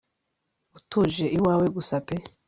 utuje iwawe gusa pe